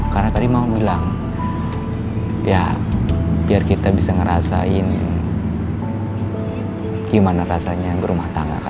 karena tadi mama bilang ya biar kita bisa ngerasain gimana rasanya berumah tangga katanya